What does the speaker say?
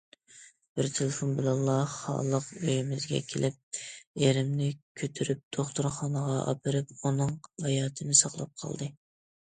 بىر تېلېفون بىلەنلا خالىق ئۆيىمىزگە كېلىپ، ئېرىمنى كۆتۈرۈپ دوختۇرخانىغا ئاپىرىپ، ئۇنىڭ ھاياتىنى ساقلاپ قالدى.